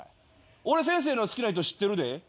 俺先生の好きな人知ってるで。